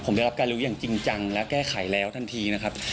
ผมได้รับการรู้อย่างจริงจังและแก้ไขแล้วทันทีนะครับ